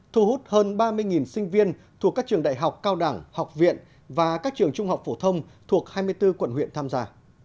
thu hút hơn ba mươi sinh viên thuộc các trường đại học cao đẳng học viện và các trường trung học phổ thông thuộc hai mươi bốn quận huyện tham gia